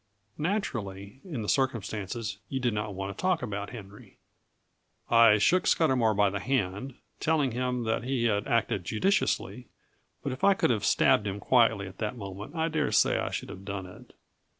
Naturally, in the circumstances, you did not want to talk about Henry." I shook Scudamour by the hand, telling him that he had acted judiciously; but if I could have stabbed him quietly at that moment I dare say I should have done it.